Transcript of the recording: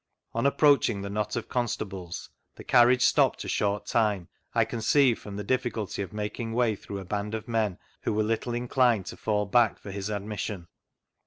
On api^oaching the knot of constables the carriage stopped a short time, I conceive from the difficulty of making way throug^h a band of men who were little inclined to fall back for hia admission.